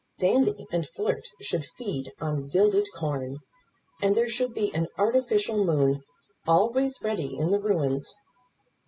Dandy and Flirt should feed on gilded corn, and there should be an artificial moon always ready in the ruins.